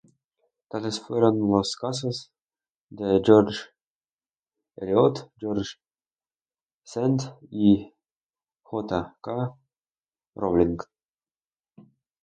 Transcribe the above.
Tales fueron los casos de George Eliot, George Sand y J. K. Rowling.